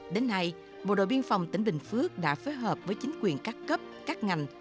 đến nay bộ đội biên phòng tỉnh bình phước đã phối hợp với chính quyền các cấp các ngành